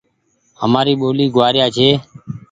همآري ٻولي گوآريا ڇي۔